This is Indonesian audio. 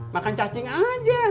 makan cacing aja